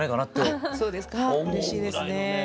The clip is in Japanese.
うれしいですね。